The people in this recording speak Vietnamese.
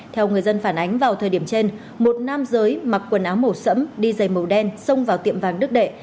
theo người dân phản ánh vào thời điểm trên một nam giới mặc quần áo màu sẫm đi dày màu đen xông vào tiệm vàng đức đệ